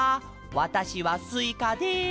わたしはスイカです」。